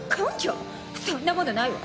そんなものないわ。